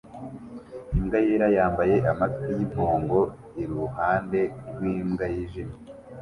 Imbwa yera yambaye amatwi yimpongo iruhande rwimbwa yijimye